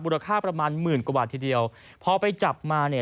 ค่าประมาณหมื่นกว่าบาททีเดียวพอไปจับมาเนี่ย